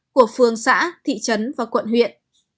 của phường xã thị trấn và quận huyện